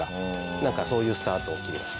なんかそういうスタートを切りました。